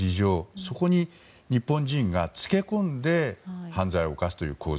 そこに日本人がつけ込んで犯罪を犯すという構図。